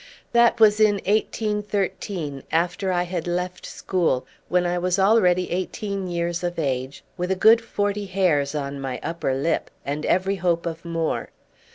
That was in 1813, after I had left school, when I was already eighteen years of age, with a good forty hairs on my upper lip and every hope of more.